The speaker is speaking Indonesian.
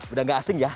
udah gak asing ya